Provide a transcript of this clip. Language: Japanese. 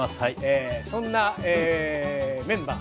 そんなメンバー